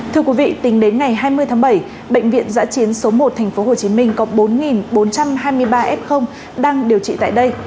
thưa quý vị tính đến ngày hai mươi tháng bảy bệnh viện giã chiến số một tp hcm có bốn bốn trăm hai mươi ba f đang điều trị tại đây